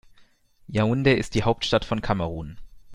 Yaoundé ist die Hauptstadt von Kamerun.